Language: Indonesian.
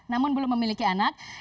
namun belum memiliki anak